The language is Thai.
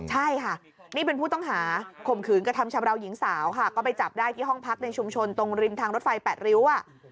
ใช่ค่ะนี่เป็นผู้ต้องหาข่มขืนกระทำชำราวหญิงสาวค่ะก็ไปจับได้ที่ห้องพักในชุมชนตรงริมทางรถไฟแปดริ้ว